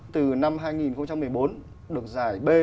từ năm hai nghìn một mươi bốn được giải b